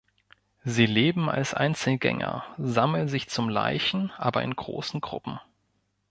Sie leben als Einzelgänger, sammeln sich zum Laichen aber in großen Gruppen.